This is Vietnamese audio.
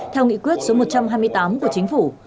theo nghị quyết số một trăm hai mươi tám của chính phủ